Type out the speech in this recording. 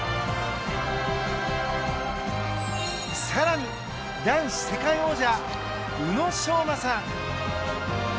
さらに男子世界王者宇野昌磨さん